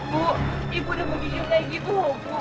bu ibu udah begitu begitu loh bu